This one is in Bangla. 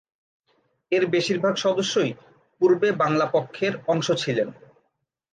এর বেশিরভাগ সদস্যই পূর্বে বাংলা পক্ষের অংশ ছিলেন।